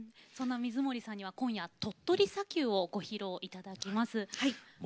そんな水森さんには今夜「鳥取砂丘」をご披露いただきます。